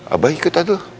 abah ikut aja